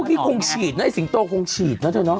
พวกนี้คงฉีดเนอะไอ้สิงโตคงฉีดนะจริงเนอะ